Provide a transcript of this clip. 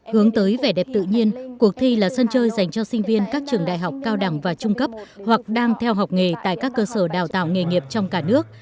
hướng tới vẻ đẹp tự nhiên cuộc thi là sân chơi dành cho sinh viên các trường đại học cao đẳng và trung cấp hoặc đang theo học nghề tại các cơ sở đào tạo nghề nghiệp trong cả nước